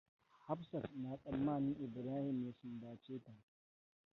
Hafsat na tsammanin Ibrahim ya sumbace ta.